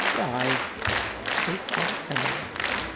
"Why?" "The priests say so."